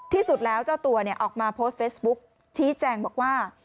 ที่สุดแล้วเจ้าตัวออกมาโพสต์เฟซบุ๊กชี้แจงบอกว่า